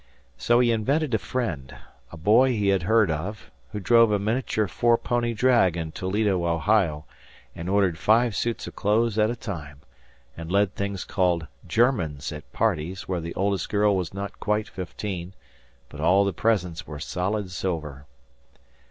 So he invented a friend, a boy he had heard of, who drove a miniature four pony drag in Toledo, Ohio, and ordered five suits of clothes at a time and led things called "germans" at parties where the oldest girl was not quite fifteen, but all the presents were solid silver.